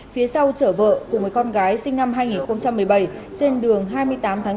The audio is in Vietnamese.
phía sau trở vợ của một con gái sinh năm hai nghìn một mươi bảy trên đường hai mươi tám tháng bốn